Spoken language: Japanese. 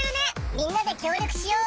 みんなできょう力しよう！